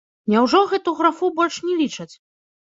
Няўжо гэту графу больш не лічаць?